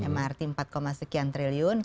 mrt empat sekian triliun